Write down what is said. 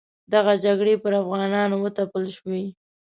دغه جګړې پر افغانانو وتپل شوې.